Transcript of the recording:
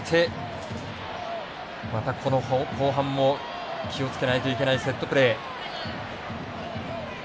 この後半も気をつけないといけないセットプレー。